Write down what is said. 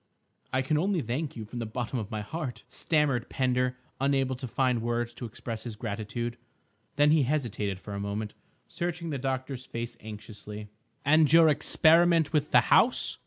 "I can only thank you from the bottom of my heart," stammered Pender, unable to find words to express his gratitude. Then he hesitated for a moment, searching the doctor's face anxiously. "And your experiment with the house?"